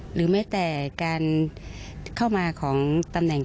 หรือแม้แต่การเข้ามาของตำแหน่ง